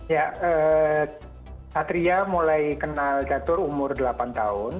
ya satria mulai kenal catur umur delapan tahun